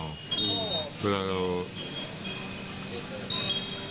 ห่อเวลาเรา